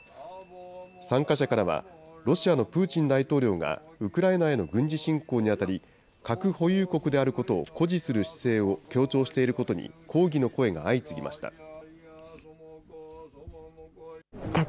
参加者からは、ロシアのプーチン大統領がウクライナへの軍事侵攻にあたり、核保有国であることを誇示する姿勢を強調していることに、抗議の声が相次ぎました。